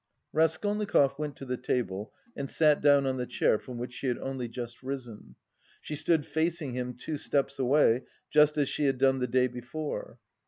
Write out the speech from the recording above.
Raskolnikov went to the table and sat down on the chair from which she had only just risen. She stood facing him, two steps away, just as she had done the day before.